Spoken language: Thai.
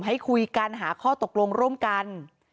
ให้คุยกันหาข้อตกลงร่วมกัน